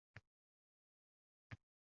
Qovunning toʻridek chol yuzida qon